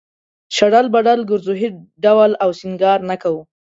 شډل بډل گرځو هېڅ ډول او سينگار نۀ کوو